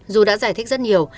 dù đã giải thích rất nhiều